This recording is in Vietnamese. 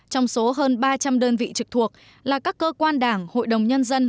trong số hơn ba trăm linh đơn vị trực thuộc là các cơ quan đảng hội đồng nhân dân